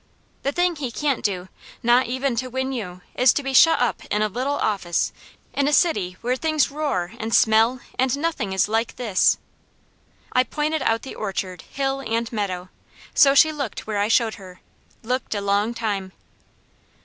The thing he can't do, not even to win you, is to be shut up in a little office, in a city, where things roar, and smell, and nothing is like this " I pointed out the orchard, hill, and meadow, so she looked where I showed her looked a long time.